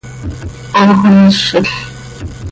¡Hoox oo mizil!